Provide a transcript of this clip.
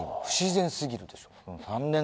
不自然すぎるでしょう。